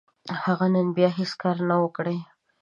هغه نن بيا هيڅ کار نه و، کړی.